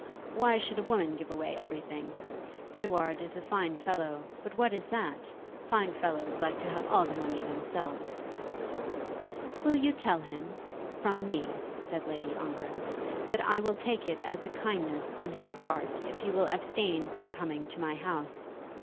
Why should a woman give away everything? Edouard is a fine fellow. But what is that? Fine fellows like to have all the money themselves." "Will you tell him, from me," said Lady Ongar, "that I will take it as a kindness on his part if he will abstain from coming to my house.